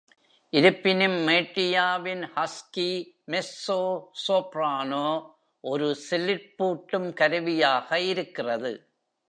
இருப்பினும், மேட்டியாவின் husky mezzo soprano ஒரு சிலிர்ப்பூட்டும் கருவியாக இருக்கிறது.